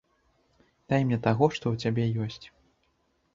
Дай мне таго, што ў цябе ёсць.